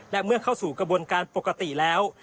และเมื่อเข้าสู่กระบวนการปกติแล้ว